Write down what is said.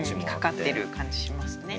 かかってる感じしますね。